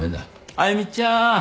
歩ちゃーん！